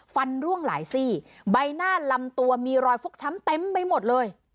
ร่วงหลายซี่ใบหน้าลำตัวมีรอยฟกช้ำเต็มไปหมดเลย